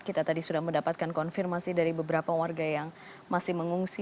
kita tadi sudah mendapatkan konfirmasi dari beberapa warga yang masih mengungsi